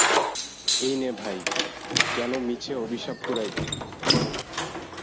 এই নে ভাই, কেন মিছে অভিশাপ কুড়াইব?